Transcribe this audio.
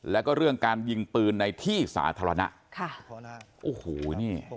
แล้วก็เรื่องการยิงปืนในที่สาธารณะค่ะโอ้โหนี่